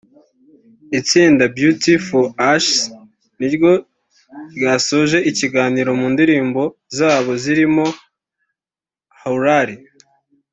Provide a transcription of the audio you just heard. Itsinda Beauty For Ashes niryo ryasoje iki gitaramo mu ndirimbo zabo zirimo Haulali